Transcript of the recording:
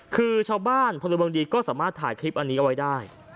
คือชาวบ้านพลเมืองดีก็สามารถถ่ายคลิปอันนี้เอาไว้ได้